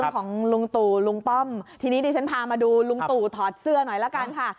ของลุงตู่ลุงป้อมทีนี้ดิฉันพามาดูลุงตู่ถอดเสื้อหน่อยละกันค่ะ